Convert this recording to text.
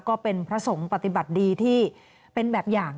ก็เป็นพระสงฆ์ปฏิบัติดีที่เป็นแบบอย่าง